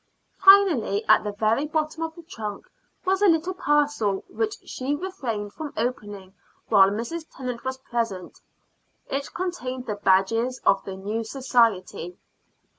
Finally, at the very bottom of the trunk was a little parcel which she refrained from opening while Mrs. Tennant was present. It contained the badges of the new society.